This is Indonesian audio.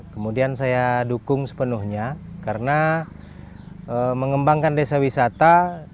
kemudian saya dukung sepenuhnya karena mengembangkan desa wisata